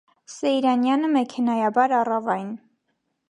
Սեյրանյանը մեքենայաբար առավ այն.